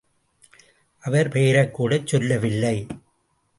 அவர் பெயரைக்கூடச் சொல்லவில்லை.